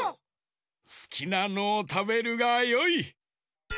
すきなのをたべるがよい。